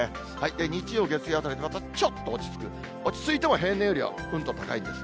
日曜、月曜あたりにまたちょっと落ち着く、落ち着いても平年よりはうんと高いんです。